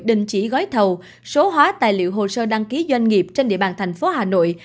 đình chỉ gói thầu số hóa tài liệu hồ sơ đăng ký doanh nghiệp trên địa bàn thành phố hà nội